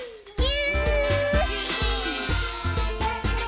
ぎゅ！